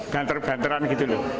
banter banteran gitu loh